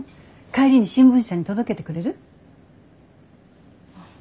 帰りに新聞社に届けてくれる？